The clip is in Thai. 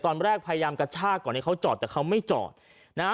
พยายามกระชากก่อนให้เขาจอดแต่เขาไม่จอดนะฮะ